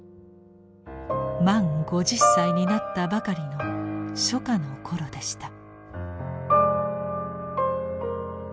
満５０歳になったばかりの初夏の頃でした。